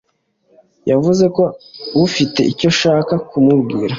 yavuze ko ufite icyo ushaka kumbwira.